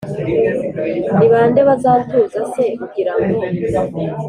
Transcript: ni bande bazatuza se ugirango